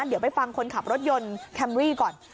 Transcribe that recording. เดี๋ยวไปฟังคนขับรถยนต์แคมรี่ก่อน